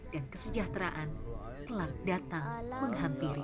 dan kesejahteraan telah datang menghampiri